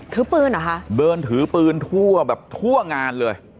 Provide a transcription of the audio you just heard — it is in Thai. ถือปืนเหรอคะเดินถือปืนทั่วแบบทั่วงานเลย